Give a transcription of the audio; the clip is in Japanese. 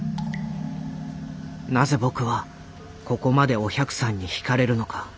なぜ僕はここまでお百さんに惹かれるのか。